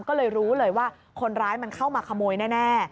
ก็เลยรู้เลยว่าคนร้ายมันเข้ามาขโมยแน่